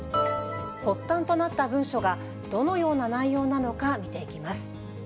発端となった文書がどのような内容なのか、見ていきます。